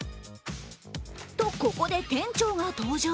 と、ここで店長が登場。